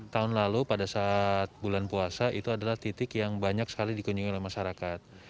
tahun lalu pada saat bulan puasa itu adalah titik yang banyak sekali dikunjungi oleh masyarakat